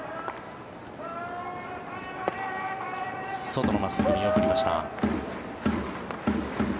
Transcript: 外の真っすぐ、見送りました。